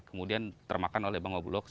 kemudian termakan oleh bangau blue walk